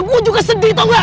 gue juga sedih tau gak